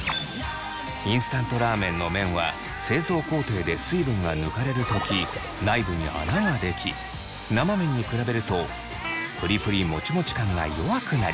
インスタントラーメンの麺は製造工程で水分が抜かれる時内部に穴ができ生麺に比べるとプリプリもちもち感が弱くなります。